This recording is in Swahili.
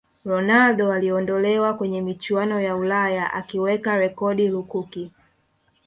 ronaldo aliondolewa kwenye michuano ya ulaya akiweka rekodi lukuki